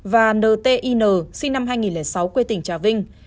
và ntina sinh năm hai nghìn sáu quê tỉnh trà vinh